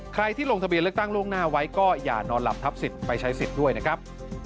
ใครที่ลงทะเบียนเลือกตั้งล่วงหน้าไว้ก็อย่านอนหลับทับสิทธิ์ไปใช้สิทธิ์ด้วยนะครับ